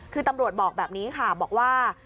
คือตำรวจบอกแบบนี้ค่ะบอกว่า